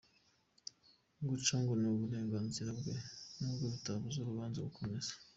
Gusa ngo ni uburenganzira bwe nubwo bitabuza urubanza gukomeza.